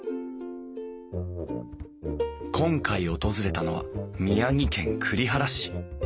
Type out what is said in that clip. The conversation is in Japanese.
今回訪れたのは宮城県栗原市。